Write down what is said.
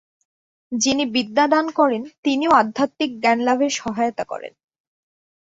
যিনি বিদ্যা দান করেন, তিনিও আধ্যাত্মিক জ্ঞানলাভের সহায়তা করেন।